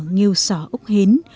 nghêu xó úc hến